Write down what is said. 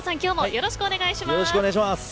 よろしくお願いします。